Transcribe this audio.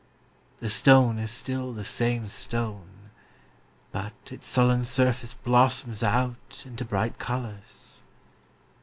The stone is still the same stone ; but its sullen surface blossoms out into bright colours.